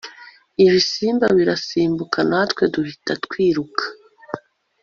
ibisimba birasimbuka natwe duhita twiruka